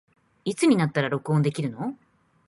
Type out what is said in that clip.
いつになったら録音できるの